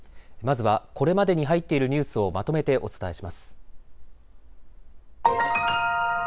まずはこれまでに入っているニュースをまとめてお伝えします。